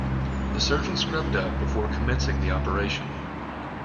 The surgeon scrubbed up before commencing the operation.